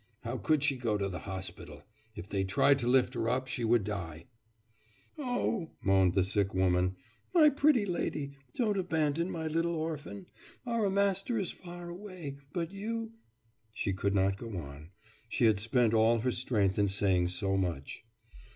How could she go to the hospital? If they tried to lift her up, she would die.' 'Oh!' moaned the sick woman, 'my pretty lady, don't abandon my little orphan; our master is far away, but you ' She could not go on, she had spent all her strength in saying so much.